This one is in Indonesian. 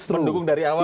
mendukung dari awal